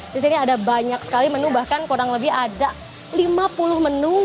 di sini ada banyak sekali menu bahkan kurang lebih ada lima puluh menu